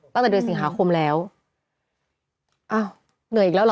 ตั้งแต่เดือนสิงหาคมแล้วอ้าวเหนื่อยอีกแล้วเหรอ